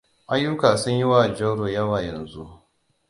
Ayyuka sun yiwa Jauroa yawa yanzu.